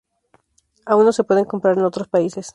Aún no se pueden comprar en otros países.